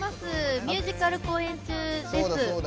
ミュージカル公演中です。